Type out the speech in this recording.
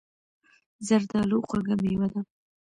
زردالو خوږه مېوه ده.